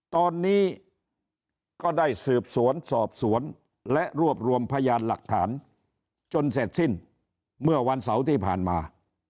ตอนนี้ก็ได้สืบสวนสอบสวนและรวบรวมพยานหลักฐานจนเสร็จสิ้นเมื่อวันเสาร์ที่ผ่านมา